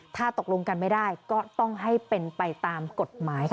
ถ้าตกลงกันไม่ได้ก็ต้องให้เป็นไปตามกฎหมายค่ะ